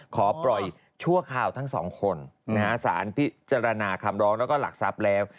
ขอปล่อยชั่วคราวทั้งสองคนสารพิจารณาคำร้องแล้วก็หลักทรัพย์แล้ว